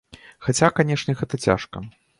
Хаця, канешне, гэта цяжка.